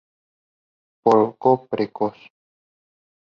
Poco precoz.